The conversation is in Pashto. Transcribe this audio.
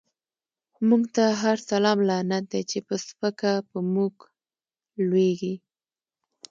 مونږ ته هر سلام لعنت دۍ، چی په سپکه په مونږ لویږی